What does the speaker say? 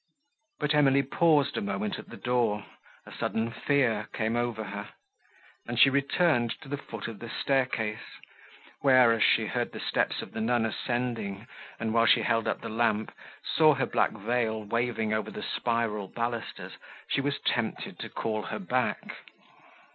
But Emily paused a moment at the door; a sudden fear came over her, and she returned to the foot of the staircase, where, as she heard the steps of the nun ascending, and, while she held up the lamp, saw her black veil waving over the spiral balusters, she was tempted to call her back.